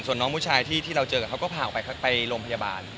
ส่วนน้องผู้ชายที่เราเจอกับเขาก็พาออกไปไปโรงพยาบาล